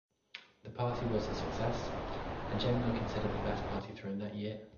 The party was a success and generally considered the best party thrown that year.